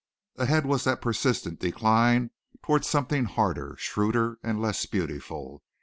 Ahead was that persistent decline towards something harder, shrewder and less beautiful.